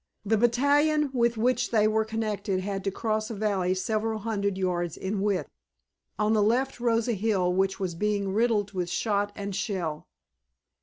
The battalion with which they were connected had to cross a valley several hundred yards in width. On the left rose a hill which was being riddled with shot and shell.